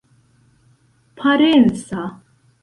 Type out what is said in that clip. parenca